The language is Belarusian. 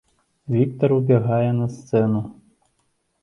Віктар убягае на сцэну.